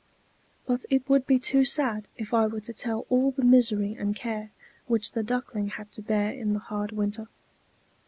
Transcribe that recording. But it would be too sad if I were to tell all the misery and care which the Duckling had to bear in the hard winter.